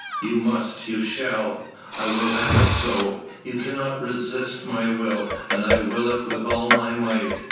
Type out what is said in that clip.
"You must. You shall. I will have it so. You cannot resist my will, and I will it with all my might.